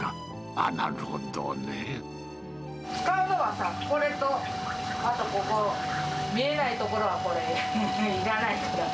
あ、なるほどね。使うのはこれと、あとここ、見えないところはこれ、いらないから。